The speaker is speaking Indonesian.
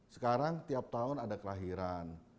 sekarang tiap tahun ada kelahiran